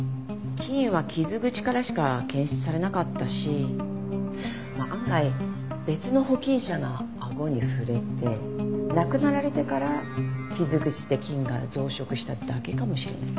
菌は傷口からしか検出されなかったし案外別の保菌者があごに触れて亡くなられてから傷口で菌が増殖しただけかもしれない。